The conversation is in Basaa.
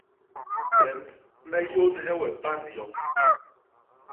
Bemb me yônhe we pan yoñ.